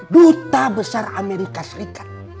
duta besar amerika serikat